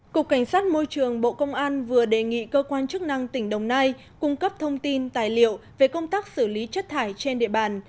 cục cảnh sát môi trường bộ công an vừa đề nghị cơ quan chức năng tỉnh đồng nai cung cấp thông tin tài liệu về công tác xử lý chất thải trên địa bàn